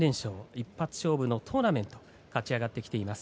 一発勝負のトーナメントを勝ち上がってきています